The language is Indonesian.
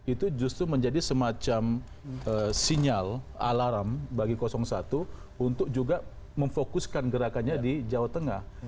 itu justru menjadi semacam sinyal alarm bagi satu untuk juga memfokuskan gerakannya di jawa tengah